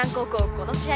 この試合